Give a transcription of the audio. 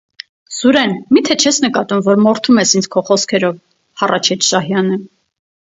- Սուրեն, մի՞թե չես նկատում, որ մորթում ես ինձ քո խոսքերով,- հառաչեց Շահյանը: